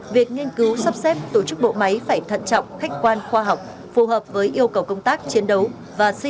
việc nghiên cứu sắp xếp tổ chức bộ máy phải thận trọng khách quan khoa học phù hợp với yêu cầu công tác chiến đấu